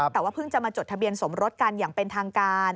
แต่ว่าเพิ่งจะมาจดทะเบียนสมรสกันอย่างเป็นทางการ